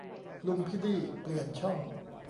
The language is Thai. "ลุงพี่ดี้" เปลี่ยนช่อง